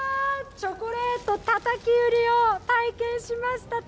チョコレートたたき売りを体験しました。